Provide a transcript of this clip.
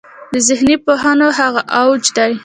د ذهني پوهنو هغه اوج دی.